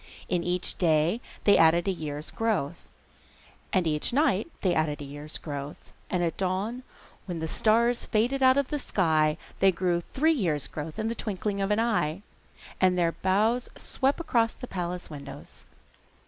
In each day they added a year's growth, and each night they added a year's growth, and at dawn, when the stars faded out of the sky, they grew three years' growth in the twinkling of an eye, and their boughs swept across the palace windows.